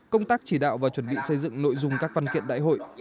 công tác chỉ đạo và chuẩn bị xây dựng nội dung các văn kiện đại hội